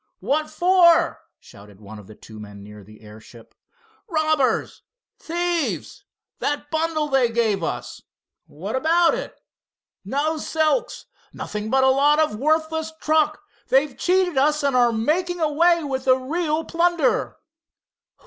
"What for?" shouted one of the two men near the airship. "Robbers thieves! That bundle they gave us!" "What about it?" "No silks nothing but a lot of worthless truck. They've cheated us and are making away with the real plunder."